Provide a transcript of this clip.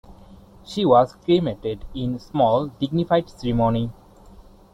She was cremated in a small, dignified ceremony.